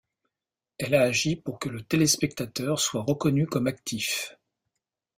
Elle a agi pour que le téléspectateur soit reconnu comme actif.